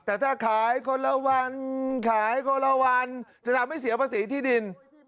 แต่ถ้าขายคนละวันขายคนละวันจะทำให้เสียภาษีที่ดิน